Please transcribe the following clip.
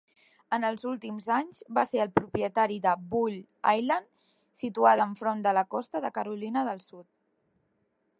En els últims anys va ser el propietari de "Bull Island", situada enfront de la costa de Carolina del Sud.